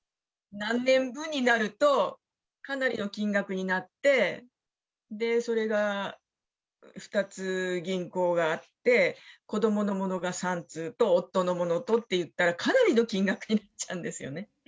何年分になると、かなりの金額になって、それが２つ銀行があって、子どものものが３通と、夫のものとっていったら、かなりの金額になっちゃうんですよね。